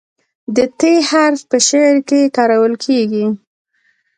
د "ت" حرف په شعر کې کارول کیږي.